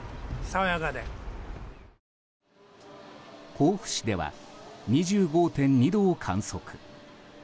甲府市では２５．２度を観測。